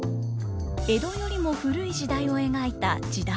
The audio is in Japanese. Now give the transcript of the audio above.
江戸よりも古い時代を描いた「時代物」。